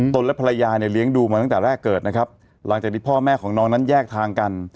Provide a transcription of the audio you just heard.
และภรรยาเนี่ยเลี้ยงดูมาตั้งแต่แรกเกิดนะครับหลังจากที่พ่อแม่ของน้องนั้นแยกทางกัน